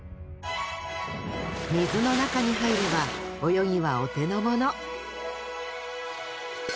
水の中に入れば泳ぎはお手のもの